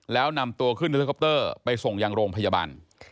แล้วนำตัวขึ้นถ่ายรถพยาบาลไปส่งยังโรงพยาบาล